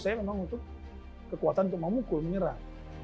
saya memang kekuatan untuk memukul menyerah